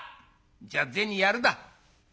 じゃあ銭やるだ。